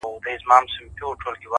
د هر تورى لړم سو ، شپه خوره سوه خدايه،